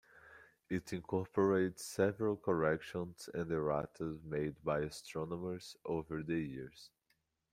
It incorporates several corrections and errata made by astronomers over the years.